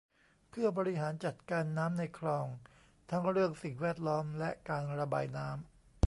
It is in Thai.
เพื่อบริหารจัดการน้ำในคลองทั้งเรื่องสิ่งแวดล้อมและการระบายน้ำ